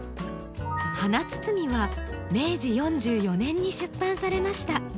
「はなつつみ」は明治４４年に出版されました。